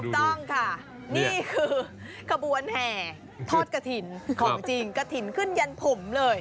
ถูกต้องค่ะนี่คือขบวนแห่ทอดกฐินของจริงกฐินขึ้นยันผุ่มเลย